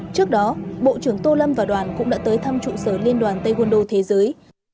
trước đó bộ trưởng tô lâm và đoàn cũng đã tới thăm trụ sở liên đoàn tây quân đô thế giới